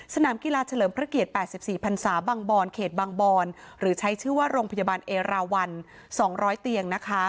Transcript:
สนามกีฬาเฉลิมพระเกียจ๘๔ปันสาบางบอนเขตบางบอนของโรงพยาบาลเอราวัล๒๐๐เตียง